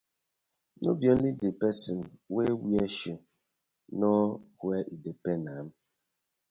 No be only di person wey wear shoe know where e dey pain am.